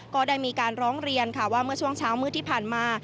ก็ได้มีการร้องเรียนค่ะว่าเมื่อช่วงเช้ามืดที่ผ่านมา